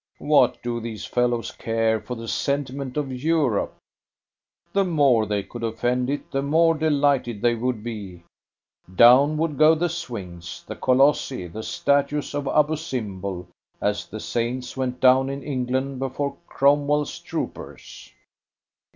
What do these fellows care for the sentiment of Europe? The more they could offend it, the more delighted they would be. Down would go the Sphinx, the Colossi, the Statues of Abou Simbel as the saints went down in England before Cromwell's troopers."